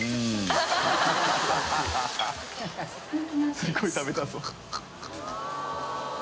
すごい食べたそう。